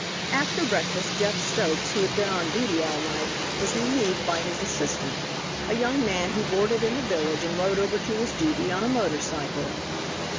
After breakfast Jeff Stokes, who had been on duty all night, was relieved by his assistant, a young man who boarded in the village and rode over to his duty on a motor cycle.